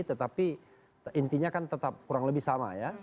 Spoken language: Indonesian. tetapi intinya kan tetap kurang lebih sama ya